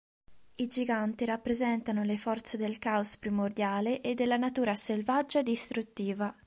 I giganti rappresentano le forze del Caos primordiale e della natura selvaggia e distruttiva.